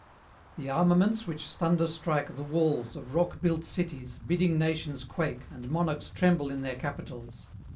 The armaments which thunderstrike the walls Of rock built cities, bidding nations quake, And monarchs tremble in their capitals.